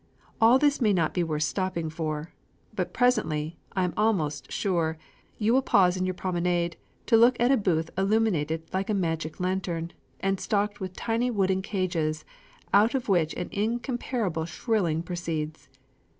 All this may not be worth stopping for. But presently, I am almost sure, you will pause in your promenade to look at a booth illuminated like a magic lantern, and stocked with tiny wooden cages out of which an incomparable shrilling proceeds.